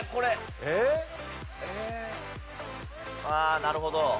ああなるほど。